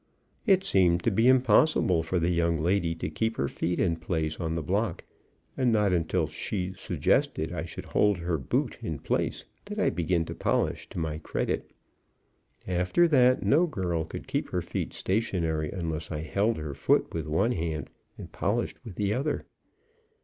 It seemed to be impossible for the young lady to keep her feet in place on the block, and not until she suggested I should hold her boot in place did I begin to polish to my credit. After that no girl could keep her feet stationary unless I held her foot with one hand and polished with the other.